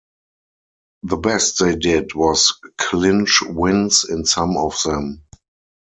The best they did was clinch wins in some of them.